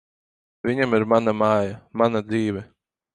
Viņam ir mana māja, mana dzīve.